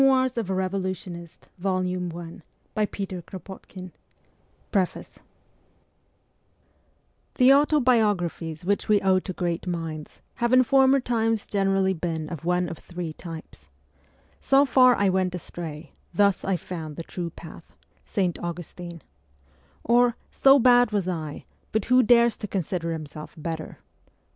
15 WATERLOO PLACE 1899 [AH rights reserved] THE Autobiographies which we owe to great minds have in former times generally been of one of three types :' So far I went astray, thus I found the true path ' (St. Augustine) ; or, ' So bad was I, but who dares to consider himself better